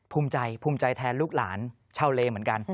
ภูมิใจภูมิใจแทนลูกหลานชาวเลเหมือนกัน